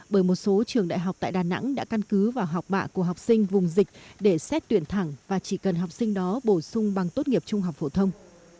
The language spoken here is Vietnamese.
bởi một số trường đại học tại đà nẵng đã căn cứ vào học bạ của học sinh vùng dịch để xét tuyển thẳng và chỉ cần học sinh đó bổ sung bằng tốt nghiệp trung học phổ thông